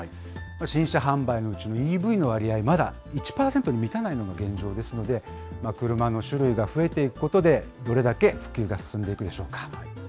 新車販売のうちＥＶの割合、まだ１％に満たないのが現状ですので、車の種類が増えていくことでどれだけ普及が進んでいくでしょうか。